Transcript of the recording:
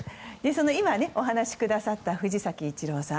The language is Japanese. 今、お話しくださった藤崎一郎さん。